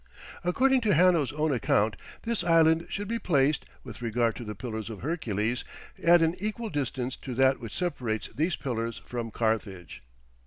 According to Hanno's own account, this island should be placed, with regard to the Pillars of Hercules, at an equal distance to that which separates these Pillars from Carthage.